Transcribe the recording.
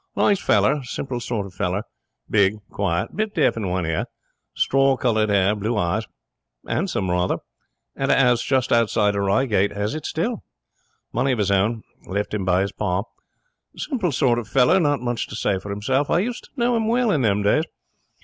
'Nice feller. Simple sort of feller. Big. Quiet. Bit deaf in one ear. Straw coloured hair. Blue eyes. 'Andsome, rather. Had a 'ouse just outside of Reigate. Has it still. Money of his own. Left him by his pa. Simple sort of feller. Not much to say for himself. I used to know him well in them days.